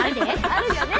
あるよね。